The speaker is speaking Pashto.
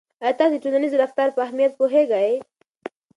آیا تاسو د ټولنیز رفتار په اهمیت پوهیږئ.